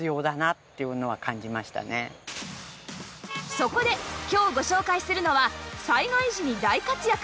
そこで今日ご紹介するのは災害時に大活躍